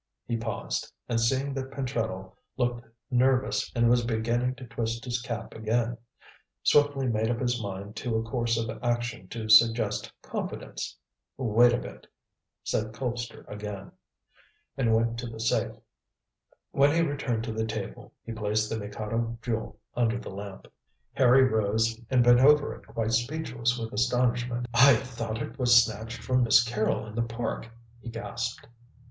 He paused, and seeing that Pentreddle looked nervous and was beginning to twist his cap again, swiftly made up his mind to a course of action to suggest confidence. "Wait a bit," said Colpster again, and went to the safe. When he returned to the table he placed the Mikado Jewel under the lamp. Harry rose and bent over it quite speechless with astonishment. "I thought it was snatched from Miss Carrol in the Park," he gasped.